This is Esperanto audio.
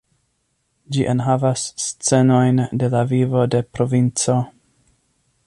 Ĝi enhavas scenojn de la vivo de provinco.